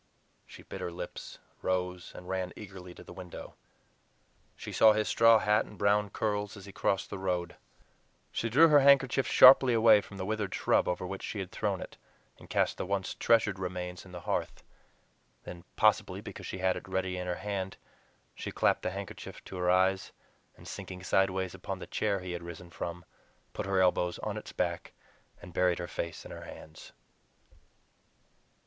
She bit her lips, rose, and ran eagerly to the window. She saw his straw hat and brown curls as he crossed the road. She drew her handkerchief sharply away from the withered shrub over which she had thrown it, and cast the once treasured remains in the hearth. Then, possibly because she had it ready in her hand, she clapped the handkerchief to her eyes, and sinking sideways upon the chair he had risen from, put her elbows on its back, and buried her face in her hands.